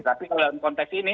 tapi dalam konteks ini